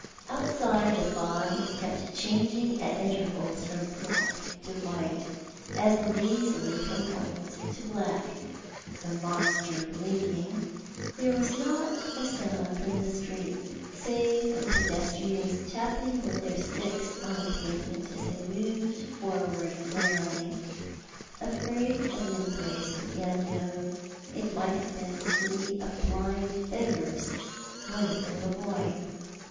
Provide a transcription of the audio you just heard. Outside, the fog kept changing at intervals from black to white, as lazily from white to black (the monster blinking); there was not a sound from the street save of pedestrians tapping with their sticks on the pavement as they moved forward warily, afraid of an embrace with the unknown; it might have been a city of blind beggars, one of them a boy.